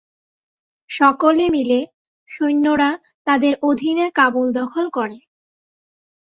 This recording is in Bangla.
সকলে মিলে, সৈন্যরা, তাদের অধীনে কাবুল দখল করে।